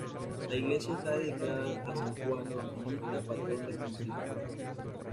La iglesia está dedicada a San Juan Evangelista, patrón del municipio.